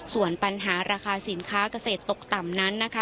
ส่วนปัญหาราคาสินค้าเกษตรตกต่ำนั้นนะคะ